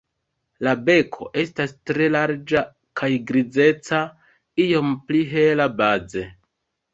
La beko estas tre larĝa kaj grizeca, iom pli hela baze.